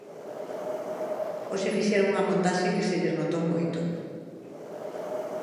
Hoxe fixeron unha montaxe que se lles notou moito.